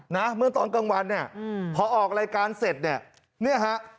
เมื่อตอนกลางวันเนี่ยพอออกรายการเสร็จเนี่ยเนี่ยฮะ